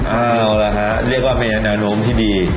เอาละฮะเรียกว่าเป็นแนวโน้มที่ดี